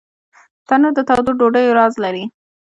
تنور د تودو ډوډیو راز لري